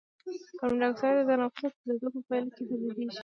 کاربن ډای اکساید د تنفس او سوځیدو په پایله کې تولیدیږي.